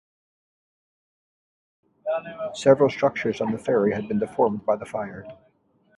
Several structures on the ferry had been deformed by the fire.